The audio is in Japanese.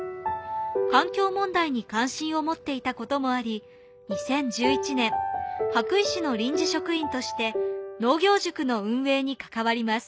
環境問題に関心を持っていた事もあり２０１１年羽咋市の臨時職員として農業塾の運営に関わります。